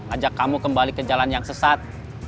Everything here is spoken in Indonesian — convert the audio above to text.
ajak kamu kembali ke jalan yang sesat